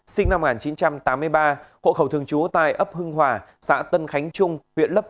sinh năm một nghìn chín trăm tám mươi ba hộ khẩu thường chú tài ấp hưng hòa xã tân khánh trung huyện lấp